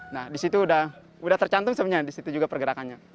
nah di situ sudah tercantum sebenarnya di situ juga pergerakannya